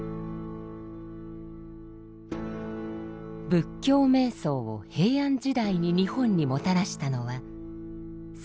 仏教瞑想を平安時代に日本にもたらしたのは最澄と空海です。